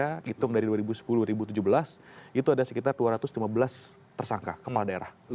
kita hitung dari dua ribu sepuluh dua ribu tujuh belas itu ada sekitar dua ratus lima belas tersangka kepala daerah